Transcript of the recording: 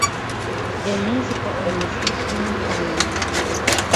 Бо музыка ў нас інструментальная.